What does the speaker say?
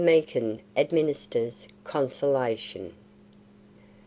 MEEKIN ADMINISTERS CONSOLATION.